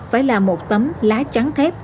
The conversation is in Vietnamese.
phải là một tấm lá trắng thép